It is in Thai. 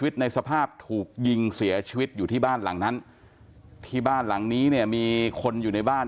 ถูกยิงเสียชีวิตอยู่ที่บ้านหลังนั้นที่บ้านหลังนี้เนี่ยมีคนอยู่ในบ้าน